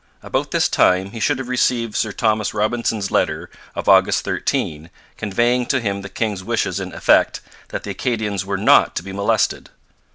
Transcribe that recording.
About this time he should have received Sir Thomas Robinson's letter of August 13, conveying to him the king's wishes in effect that the Acadians were not to be molested.